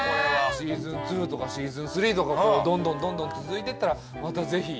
シーズン２とかシーズン３とかどんどんどんどん続いてったらまたぜひ。